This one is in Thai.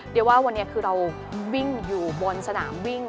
เดี๋ยวว่าวันนี้คือเราวิ่งอยู่บนสนามวิ่ง